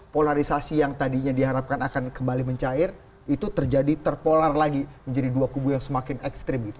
polarisasi yang tadinya diharapkan akan kembali mencair itu terjadi terpolar lagi menjadi dua kubu yang semakin ekstrim